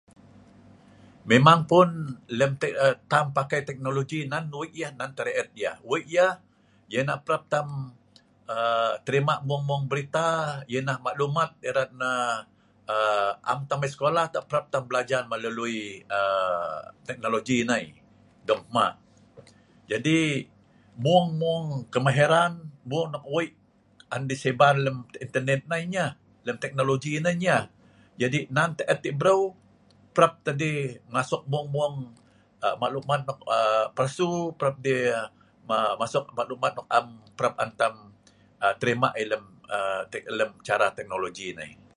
Memang pun lem dei tam pakai technology nan wei yeh nan tah reit yeh wei ieh ianeh parap tam aa terima mung-mung berita ieh nah maklumat erat nah aa am tah tam mai sekola parap tah tam belajar melalui aa technology nai dong hma jadi mung-mung kemahiran mung nok wei on deh sebar lem internet nai nyeh lem technology nai nyeh jadi nan tah et ieh breu parap teh deh masuk mung mung maklumat aa nok aa palsu parap teh ma masuk maklumat nok am parap on tam terima lem aa cara technology nai